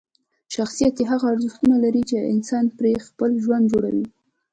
شخصیت هغه ارزښتونه لري چې انسان پرې خپل ژوند جوړوي.